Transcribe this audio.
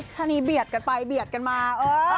ถ้านี้เบียดกันไปเบียดกันมา